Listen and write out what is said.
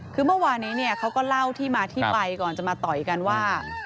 คือเมื่อวานี้เขาก็เล่าที่มาที่ไปก่อนจะมาต่อยกันว่า